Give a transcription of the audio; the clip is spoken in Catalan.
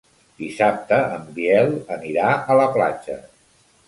Dissabte en Biel anirà a la platja.